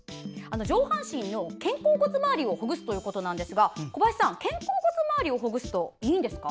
上半身の肩甲骨周りをほぐすということですが肩甲骨周りをほぐすといいんですか？